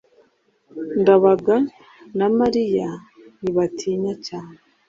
ndabaga na mariya ntibatinya cyane